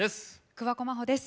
桑子真帆です。